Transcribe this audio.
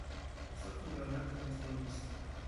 Ostatnim elementem jest rolnictwo